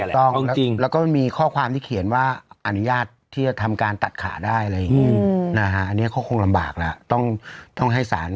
ถูกต้องแล้วก็มีข้อความที่เขียนว่าอนุญาตที่จะทำการตัดขาได้เลยนะฮะ